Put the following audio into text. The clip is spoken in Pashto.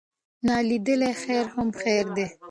نا لیدلی خیر هم خیر دی.